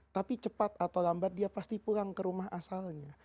tapi cepat atau lambat dia pasti pulang ke rumah asalnya